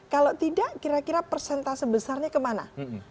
kalau tidak kira kira persentase besarnya kemana